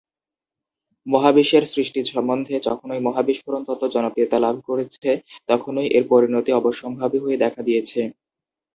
মহাবিশ্বের সৃষ্টি সম্বন্ধে যখনই মহা বিস্ফোরণ তত্ত্ব জনপ্রিয়তা লাভ করেছে তখনই এর পরিণতি অবশ্যম্ভাবী হয়ে দেখা দিয়েছে।